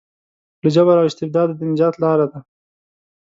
له جبر او استبداده د نجات لاره ده.